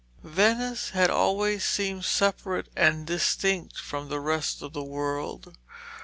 Venice had always seemed separate and distinct from the rest of the world.